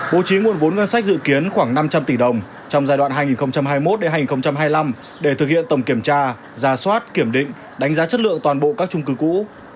bố trí nguồn vốn ngân sách dự kiến khoảng năm trăm linh tỷ đồng trong giai đoạn hai nghìn hai mươi một hai nghìn hai mươi năm để thực hiện tổng kiểm tra giả soát kiểm định đánh giá chất lượng toàn bộ các trung cư cũ